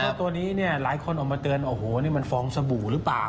แล้วตัวนี้เนี่ยหลายคนออกมาเตือนโอ้โหนี่มันฟองสบู่หรือเปล่า